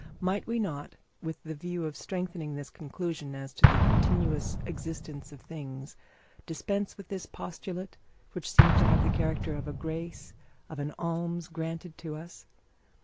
Might we not, with the view of strengthening this conclusion as to the continuous existence of things, dispense with this postulate, which seems to have the character of a grace, of an alms granted to us?